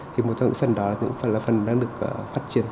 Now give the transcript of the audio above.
thì một trong những phần đó là những phần đang được phát triển